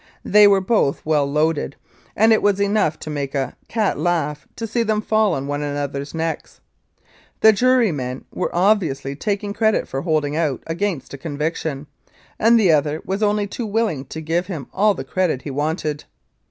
They were both well "loaded," and it was enough to make a cat laugh to see them fall on one another's necks. The juryman was obviously taking credit for holding out against a conviction, and the other was only too willing to give him all the credit he wanted.